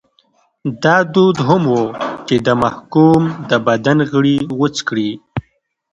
دا دود هم و چې د محکوم د بدن غړي غوڅ کړي.